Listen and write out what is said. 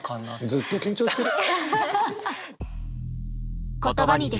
ずっと緊張してる。